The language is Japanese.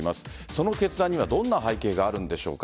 その決断にはどんな背景があるんでしょうか。